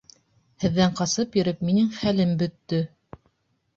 Һеҙҙән ҡасып йөрөп минең хәлем бөттө.